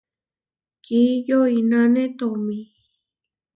Kiyoináne tomí.